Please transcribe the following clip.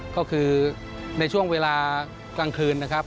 ก็คือในช่วงเวลากลางคืนนะครับ